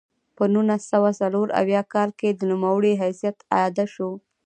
په نولس سوه څلور اویا کال کې د نوموړي حیثیت اعاده شو.